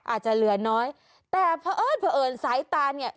อาจจะเหลือน้อยแต่เผอิญเผอิญสายตาเนี่ย